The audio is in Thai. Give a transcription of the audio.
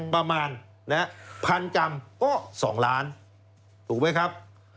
ประมาณ๑๐๐กรัมก็๒ล้านถูกไหมครับ